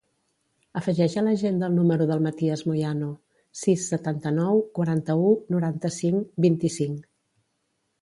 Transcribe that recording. Afegeix a l'agenda el número del Matías Moyano: sis, setanta-nou, quaranta-u, noranta-cinc, vint-i-cinc.